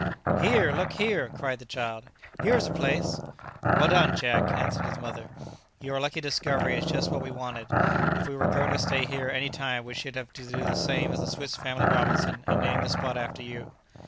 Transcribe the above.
"Here, look here!" cried the child; "here's a place!" "Well done, Jack!" answered his mother; "your lucky discovery is just what we wanted. If we were going to stay here any time we should have to do the same as the Swiss Family Robinson, and name the spot after you!"